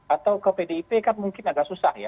atau ke pdip kan mungkin agak susah ya